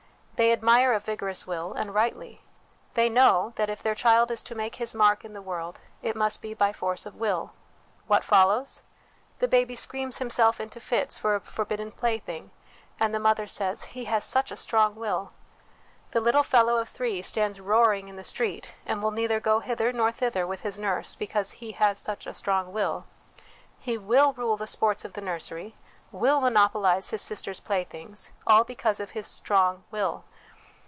They admire a vigorous will, and rightly. They know that if their child is to make his mark in the world, it must be by force of will. What follows ? The baby screams himself into fits for a forbidden plaything, and the mother says, ' He has such a strong will/ The little fellow of three stands roaring in the street, and will neither go hither nor thither with his nurse, because ' he has such a strong will.' He will rule the sports of the nursery, will monopolise his sisters' playthings, all because of this * strong will.'